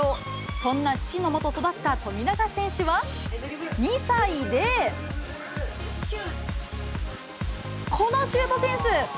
そんな父のもと育った富永選手は、２歳で、このシュートセンス。